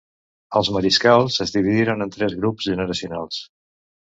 Els mariscals es dividiren en tres grups generacionals.